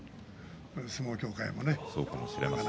相撲協会はね